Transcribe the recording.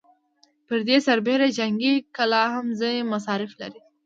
پر دې سربېره جنګي کلا هم ځينې مصارف لري.